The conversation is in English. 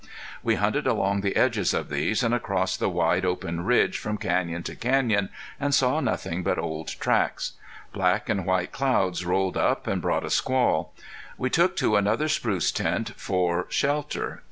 We hunted along the edges of these, and across the wide, open ridge from canyon to canyon, and saw nothing but old tracks. Black and white clouds rolled up and brought a squall. We took to another spruce tent for shelter.